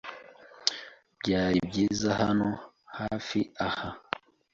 Byari byiza hano hafi aha.